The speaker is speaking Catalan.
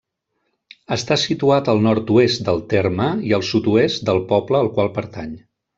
Està situat al nord-oest del terme i al sud-oest del poble al qual pertany.